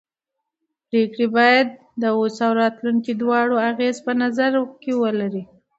پرېکړې باید د اوس او راتلونکي دواړو اغېزې په نظر کې ولري